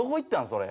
それ。